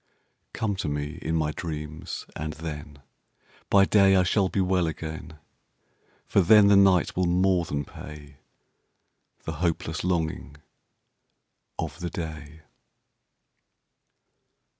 Come to me in my dreams, and thenBy day I shall be well again. For then the night will more than payThe hopeless longing of the day.